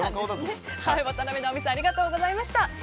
渡辺直美さんありがとうございました。